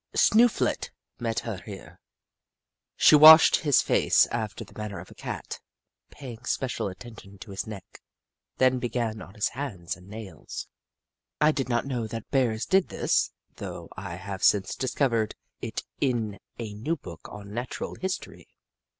Snooflet met her here. She washed his face after the manner of a Cat, paying special attention to his neck, then began on his hands and nails. I did not know that Bears did this, though I have since discovered it in a new book on Natural History.